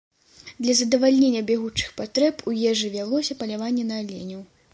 Для задавальнення бягучых патрэб у ежы вялося паляванне на аленяў.